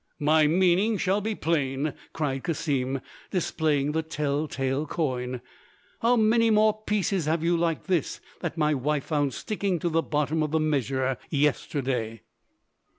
"My meaning shall be plain!" cried Cassim, displaying the tell tale coin. "How many more pieces have you like this that my wife found sticking to the bottom of the measure yesterday?"